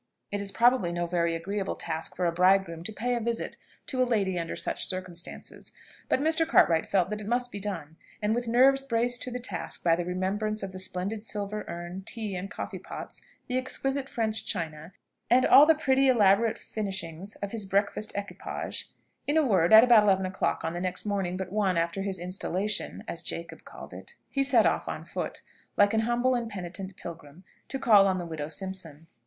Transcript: It is probably no very agreeable task for a bridegroom to pay a visit to a lady under such circumstances; but Mr. Cartwright felt that it must be done, and with nerves braced to the task by the remembrance of the splendid silver urn, tea and coffee pots, the exquisite French china, and all the pretty elaborate finishing of his breakfast equipage, in a word, at about eleven o'clock on the next morning but one after his installation (as Jacob called it), he set off on foot, like an humble and penitent pilgrim, to call on the widow Simpson.